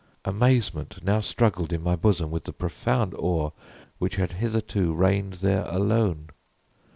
Amazement now struggled in my bosom with the profound awe which had hitherto reigned there alone.